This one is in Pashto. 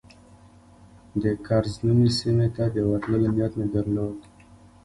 د کرز نومي سیمې ته د ورتلو نیت مو درلود.